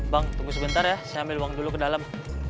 bang tunggu sebentar ya saya ambil buang dulu ke dalam